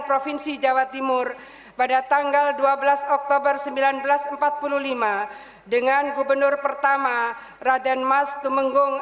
provinsi jawa timur pada tanggal dua belas oktober seribu sembilan ratus empat puluh lima dengan gubernur pertama raden mas tumenggung